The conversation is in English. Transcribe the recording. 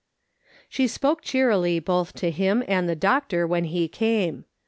She spoke cheerily both to liim and the doctor when he came.